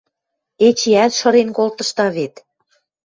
Эчеӓт шырен колтышда вет.